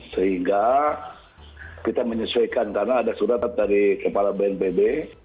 sehingga kita menyesuaikan karena ada surat dari kepala bnpb